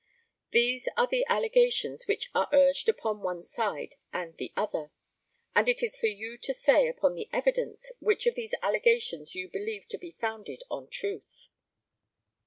These are the allegations which are urged upon one side and the other, and it is for you to say, upon the evidence, which, of these allegations you believe to be founded on truth.